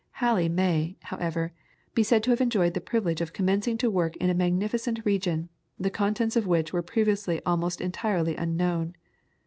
Halley may, however, be said to have enjoyed the privilege of commencing to work in a magnificent region, the contents of which were previously almost entirely unknown.